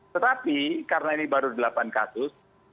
tetapi karena ini baru delapan kasus